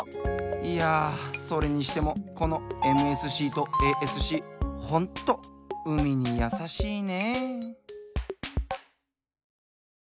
いやそれにしてもこのＭＳＣとＡＳＣホント海にやさしいね！